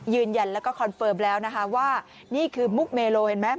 ยืนยันแล้วก็คอนเฟิร์มแล้วนะคะว่านี่คือมุกเมโลเห็นไหม